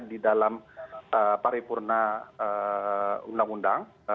di dalam paripurna undang undang